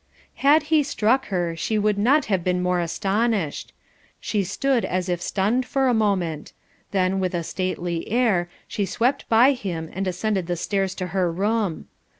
Had he struck her, she would not have been more astonished. She stood as if stunned for a moment; then with a stately air, she swept by him and ascended the stairs to her room.